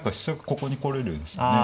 ここに来れるんですよね。